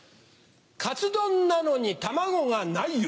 かつ丼なのに卵がないよ。